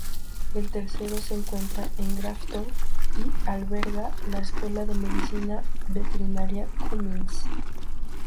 El tercero se encuentra en Grafton y alberga la escuela de Medicina Veterinaria Cummings.